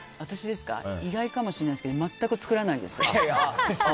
意外かもしれないですけど全く作らないです。